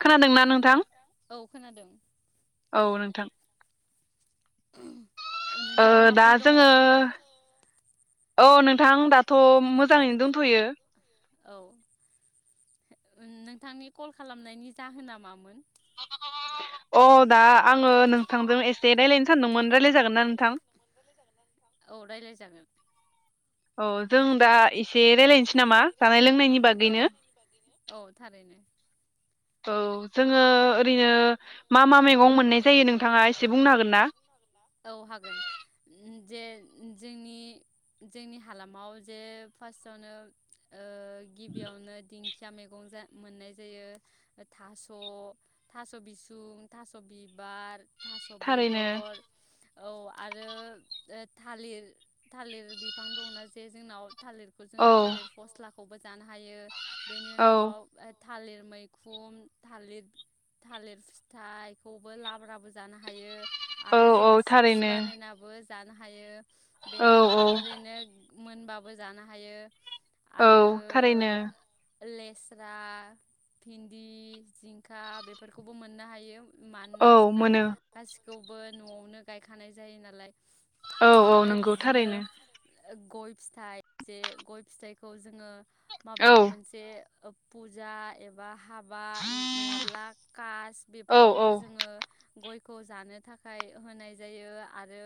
खोनादोंना नोंथां खोनादों औ नोंथां‌। ओ दा जोंङो औ नोंथां दाथ मोजांङैनो दंथयो। औ नोंथांनि कल खालामनायनि जाहोना मामोन? औ दा आंङो नोंथांजों एसे रायज्लायनो सानदोंमोन रायज्लायजागोन ना नोंथां? औ जों दा एसे रायलानो सै नामा जानाय लोंनायनि बागैनो औ जोंङो ओरैनो मा-मा मैगं मोननाय जायो नोंथांङा एसे बुंनो हागोन ना जे जोंनि जोंनि हालामाव जे फार्स्टआवनो ओ गिबियावनो दिं खिया मैगं मोननाय जायो थास थासबिसुं थास बि बार थास बेदर औ आरो ओ थालिर थालिर बिफां दंना जे जोंनाव थालेरखौ जोंना थालेर फस्ला खौबो जानो हायो बेनि उनाव ओद थालिर मैखुन थालिर थालिर फिथाइखौ बो लाब्राबो जानो हायो आरो जोङो चिप्स बानायनाबो जानो हायो बेनि उनाव ओरैनो मोनबाबो जानो हायो औ थारैनो लेस्रा भिन्दि जिंखा बेफोरखौबो मोननो हायो। मानोना जोंना गासै खौबो न'आवनो गायखानाय जायो नालाय आरो बिदिनो गय फिथाइ जे गय फिथाइखौ जोङो माबेबा मोनसे फुजा एबा हा बा नङाब्ला कास बेफोराव बो जोङो गयखौ जानो थाखाय होनाय जायो आरो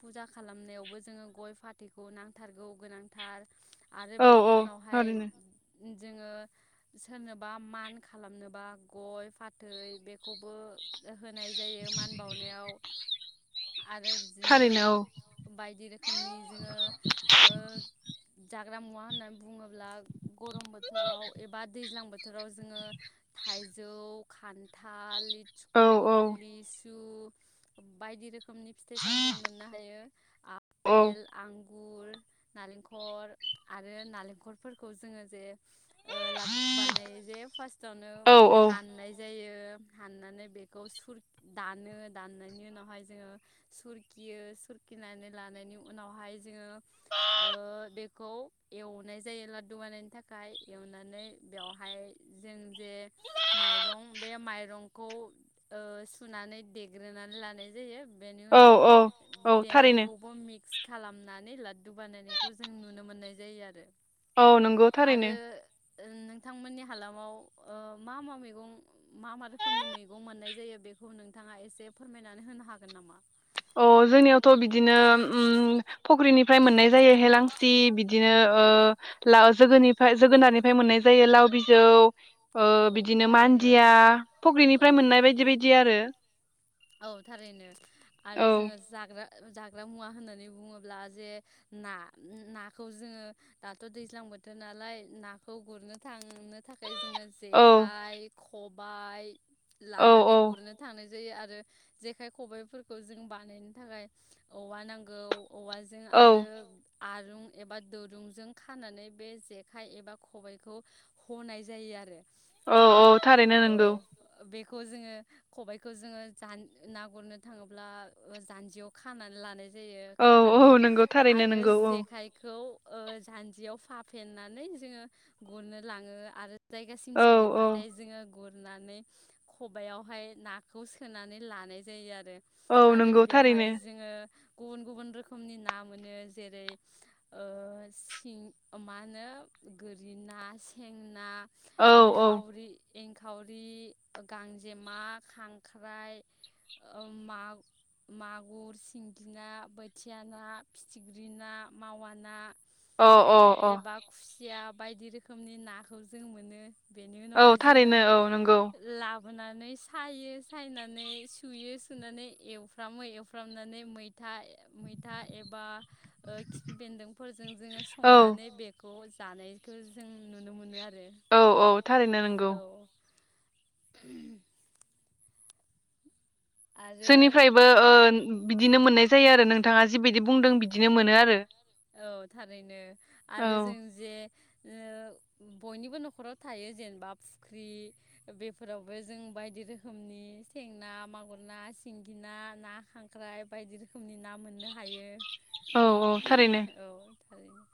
फुजा खालामनायावबो जोङो गय फाथैखौ नांथारगौ गोनांथार आरो बेनि उनावहाय जोङो सोरनोबा मान खालामनोबा गय फाथै बेखौबो होनाय जायो मान बावनायाव आरो बिदिनो बायदि रोखोमनि जोङो ओ जा ग्रा मुवा होननानै बुङोब्ला गरम बोथोराव एबा दैज्लां बोथोराव जोङो थाइ जौ खान्थाल लि औ औ [unintelligible] बायदि रो नि फिथाय सामथाय मोननो हायो आपेल आं गुर नालेंखल आरो नालेंखलफोरखौ जोङो जे ओ लादु बानायो जे फार्स्टावनो हाननाय जायो ओ हाननानै बे खौ दानो दाननायनि उनावहाय जोङो सुरखियो सुरखिनानै लानायनि उनावहाय जोङो ओ बे खौ एवनाय जायो लादु बानायनो थाखाय एवनानै बेवहाय जों जे माइरं बे माइरंखौ ओ सुनानै देग्रोनानै लानाय जायो। बेनि उनाव देनायखौबो मिक्स खालामनानै लाददु बानायनायखौ जों नुनो मोननाय जायो आरो। औ नंगौ थारैनो। नोंथांमोननि हालामाव ओ मा मा मैगं मा मा रोखोमनि मैगं मोननाय जायो बेखौ नोंथाङा एसे फोरमायनानै होनो हागोन नामा अ जोंनियावथ' बिदिनो ओम फख्रिनिफ्राय मोननाय जायो हेलांसि बिदिनो ओ लाव जोगोनिफाय जोगोनारनिफ्राय मोननाय जायो लाव बिजौ ओ बिदिनो मान्दिया फख्रिनिफ्राय मोननाय बायदि बायदि आरो। आरो जोङो जाग्रा जाग्रा मुवा होननानै बुङोब्ला जे ना नाखौ जोङो दाथ' दैज्लां बोथोर नालाय नाखौ गुरनो थांनो थाखाय जोङो जेखाय खब बाइ लानानै गुरनो थांनाय जायो आरो जेखाइ खबाइफोरखौ जों बानायनो थाखाय औवा नांगौ। औवाजों आरो आरुं एबा दुरुंजों खानानै बे जेखाइ एबा खबाइखौ हनाय जायो आरो औ औ थारैनो नंगौ -खौ जोङो खबाइखौ जोङो ना गुरनो थाङोब्ला जान्जियाव खानानै लानाय जायो खानानै आरो जेखाइखौ अ जान्जियाव फा फेनानै जोङो गुरनो लाङो आरो जाय सहैबाथाय जोङो गुरनानै खबायावहाय नाखौ सोनानै लानाय जायो आरो आरो बेवहाय जोङो गुबुन गुबुन रोखोमनि ना मोनो जेरैं सिं ओ मा होनो गोरि ना सें ना ऐंखावरि एंखावरि गांजेमा खांख्राइ मागुर सिंगि ना बोथिया ना फिथिख्रि ना मावा ना अ अ अ बायदि रोखोमनि नाखौ जों मोनो बेनि उनावहाय जोङो लाब होनानै सायो सायनानै सुयो सुनानै एवफ्रामो एवफ्रामनानै मै था मैथा एबा ओ खिफि बेन्दों फोरजों जोङो संनानै बेख त' जानायखो जों नुनो मोनो आरो औ औ थारैनो नोंगौ ओम सोरनिफ्रायबो ओ बिदिनो मोननाय जा जायो आरो नोंथाङा जिबायदि बुंदों बिदिनो मोनो आरो औ थारैनो आरो जों जे ओ बयनिबो न'खराव थायो जेनेबा फुख्रि बेफोरावबो जों बायदि रोखोमनि सें ना मागुर ना सिंगि ना ना खांख्राइ बायदि रोखोमनि ना मोननो हायो औ औ थारैनो औ थारैनो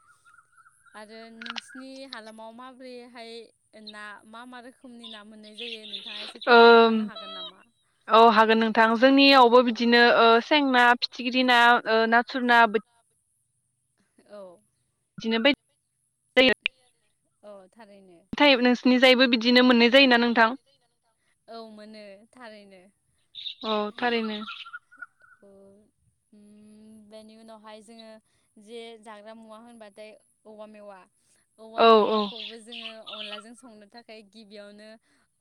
आरो नोंसिनि हालामाव माब्रैहाय ना मा मा रोखोमनि ना मोननाय जा ओम औ हागोन नोंथां जोंनियावबो बिदिनो ओ सें ना फिथिख्रि ना ओ ना [unintelligible] औ बिदिनो बाय [inaudible] औ थारैनो अ नोंसिनि [unintelligible] बो बिदिनो मोननाय जायो ना नोंथां औ मोनो थारैनो उ थारैनो औ उम बेनि उनावहाय जोङो जे जाग्रा मुवा होनबाथाय औवा मेवा औवा मेवाखौबो जोङो अनलाजों संनो थाखाय ओमफ्राय गिबियावनो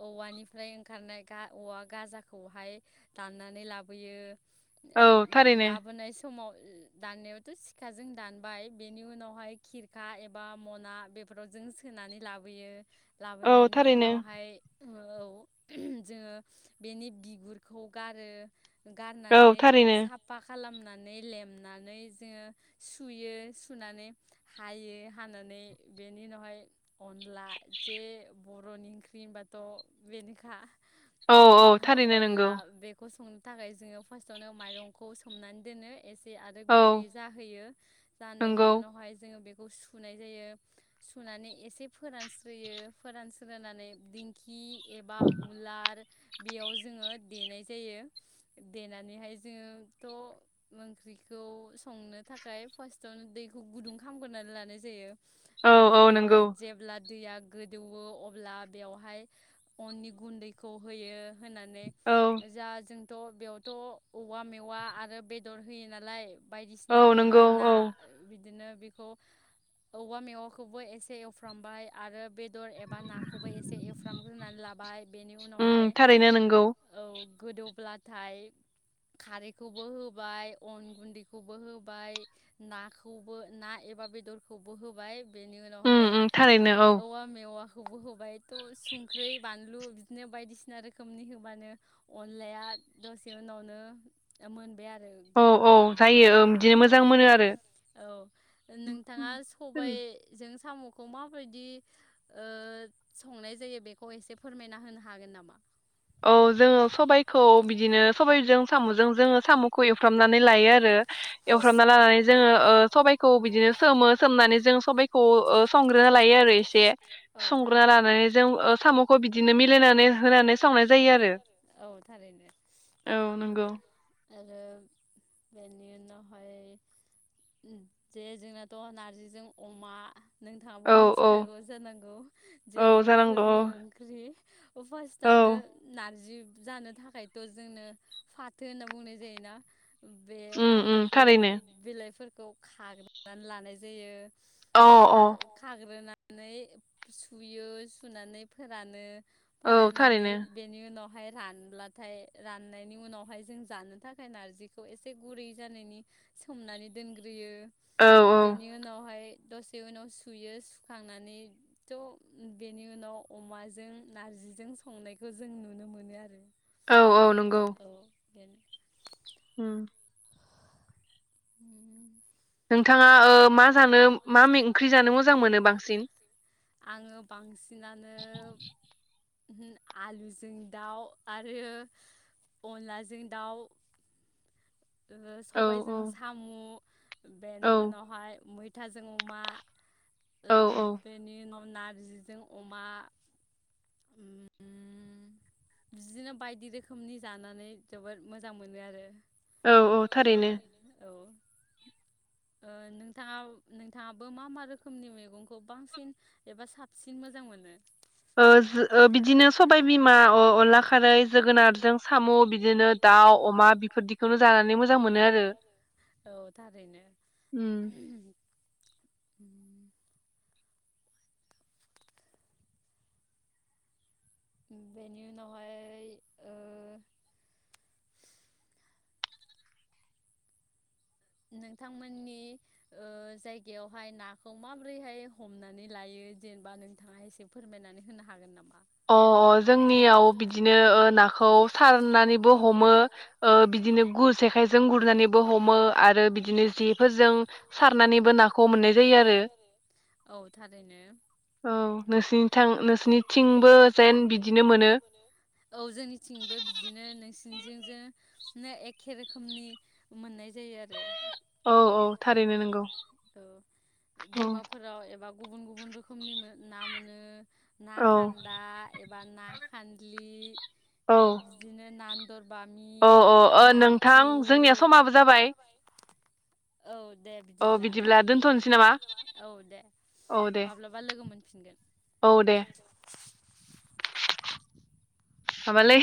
औवानिफ्राय ओंखारनाय गा औवा गाजाखौहाय दाननानै लाबोयो ओ लाबोनाय स समाव दाननायावथ' सिखाजों दानबाय बेनि उनावहाय खिरखा एबा बा मना बेफोराव जों सोनानै लाबोयो लाबोनायनि उनावहाय औ जोङो बेनि बिगुरखौ गारो गारनानै साफा खालाम नानै लेमनानै जोङो सुयो सुनानै हायो हानानै बेनि उनावहाय अनला जे बर'नि ओंख्रि होनबाथ' बेनोखा अ अनला बेखौ सं थाखाय जोङो फार्स्टआवनो माइरंखौ सोमनानै दोनो एसे आरो गुरै औ जाहैयो जानायनि उनावहाय जोङो बे हचस सुनाय जायो सुनानै एसे फोरानस्रोयो फोरानस्रोनानै दिंखि एबा उलार बेयाव जोङो देनाय जायो देनानैहाय जोंथ' ओंख्रिखौ संनो थाखाय फार्स्टावनो दैखौ गुदुं खालामग्रोनानै लानाय देयो बेनि उनाव जेब्ला दैया गोदौवो अब्ला बेवहाय अननि गुन्दैखौ होयो होनानै जा जों थ' बेयावथ' औवा मेवा आरो बेदर होयो नालाय बायदिसिना एबा ना बिदिनो बेखौ औवा मेवाखौबो एसे एवफ्रामबाय आरो बे बेदर एबा नाखौबो एसे एवफ्रामग्रोनानै लाबाय बेनि उनावहाय औ गोदौब्ला थाय खारैखौबो होबाय अन गुन्दैखौबो होबाय नाखौबो ना एबा बेदर हबो होबाय बेनि उनावहाय औवा मेवा खौबो होबायथ' संख्रि बानलु बिदिनो बायदिसिना रोखोमनि होबानो अनलाया दसे उनावनो मोनबाय आरो ओ गो [inaudible] औ थारैनो औ ओ नों बिथाङा सबाय जों साम'खौ माबायदि ओ संनाय जायो बेखौ एसे फोरमायना होनो हागोन नामा? औ जोङो सबायखौ बिदिनो सबायजों साम'जों जोङो साम'खौ एवफ्रामनानै लायो आरो एवफ्रामना लानानै जोङो ओ सबायखौ बिदिनो सोमो सोमनानै जों सबबायखौ ओ संग्रोना लायो आरो एसे संग्रोना लानानै जों ओ साम'खौ बिदिनो मिलायनानै होनानै संनाय जायो आरो औ नंगौ आरो बेनि उनावहाय जे जोंना थ' नार्जिजों अमा नोंथाङाबो मिथिखागौ जानांगौ जे बर'फोरनि ओंख्रि फास्तावनो नारजि जानो थाखायथ' जोंनो फाथो होनना बुंनाय जायोना बे फाथोखौ बिलाइफोर खौ खाग रान लानाय जायो औ औ खा खाग्रोना नानै सुयो सुनानै फोरानो फरायनानै बेनि उनावहाय रानब्लाथाय राननायनि उनावहाय जों जानो थाखाय नारजिखौ एसे गुरै जानायनि सोमनानै दोनग्रो ओ बेनि उनावहाय। दसे उनाव सुयो सुखांनानै थ' बेनि उनाव अमाजों नारजिजों संनायखौ जों नुनो मोनो आरो। औ औ नंगौ। [inaudible] उम नोंथाङा ओ मा जानो मा ओंख्रि जानो मोजां मोनो बांसिन? आङो बांसिनानो आलुजों दाउ आरो अनलाजों दाउ। ओहो सबायजों सामु बेनि उनावहाय मै थाजों अमा। ओ जों बेनि उनाव। नारजिजों अमा ओम उम बिदिनो बायदि रोखोमनि जानानै जोबोद मोजां मोनो आरो। औ औ। ओ नोंथाङा नोंथाङाबो मा मा रोखोमनि मैगंखौ बांसिन एबा साबसिन मोजां मोनो? ओ जों ओ बिदिनो सबाय बिमा। अ अनला खारै जोगोनारजों साम' बिदिनो दाउ अमा बेफोरदिखौनो जानानै मोजां मोनो आरो ओ। ओ। ओम बेनि उनावहाय ओ। नोंथांमोननि ओ जायगायावहाय नाखौ माब्रैहाय हमनानै लायो जेनेबा नोंथाङा एसे फोरमायनानै होनो हागोन नामा? अ अ जोंनियाव बिदिनो ओ नाखौ सारनानैबो हमो ओ बिदिनो गुरसे जेखायजों गुरनानैबो हमो आ। रो बिदिनो जेफोरजों सारनानैबो नाखौ मोन्नाय जायो आरो औ नोंसिनिथां नोंसिनिथिं। थिंबो बिदिनो औ जोंनिथिंबो नोंसि। जों जोंनो एखे रोखोमनि मोननाय जायो। औ औ थारैनो नंगौ औ। गुबुन गुबुन रोखोमनिमो ना मोनो। ना खानदा एबा ना। खान्दलि। ओ औ बिदिनो ना। दर बामि नाथुर। औ दे बिदिब्ला दोनथनसै नामा औ दे माब्लाबा लोगो मोनफिनगोन औ दे। [inaudible] हाबालै।